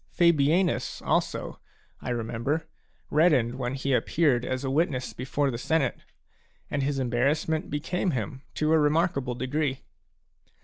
Fabianus also, I remember, reddened when he appeared as a witness before the senate ; and his embarrassment became him to a remarkable degree.